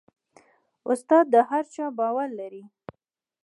استاد د هر چا باور لري.